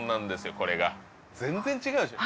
これが全然違うでしょ？